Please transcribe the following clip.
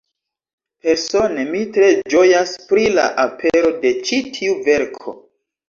Persone, mi tre ĝojas pri la apero de ĉi tiu verko.